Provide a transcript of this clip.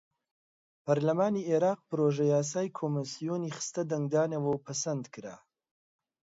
پەڕلەمانی عێراق پڕۆژەیاسای کۆمیسیۆنی خستە دەنگدانەوە و پەسەندکرا.